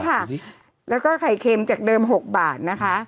แล้วก็ไข่เค็มจากเดิม๖บาทนะคะ